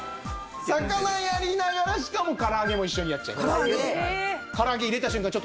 魚やりながらしかもから揚げも一緒にやっちゃいます。